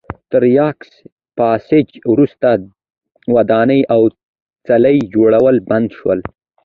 تر یاکس پاساج وروسته ودانۍ او څلي جوړول بند شول.